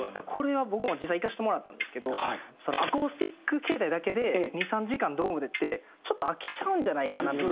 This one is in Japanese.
これは僕も実際行かせてもらったんですけどアコースティック形態だけで２３時間ドームでってちょっと飽きちゃうんじゃないかな？